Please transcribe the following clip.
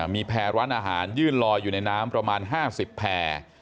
มีแพร่ร้านอาหารยื่นลอยอยู่ในน้ำประมาณ๕๐แพร่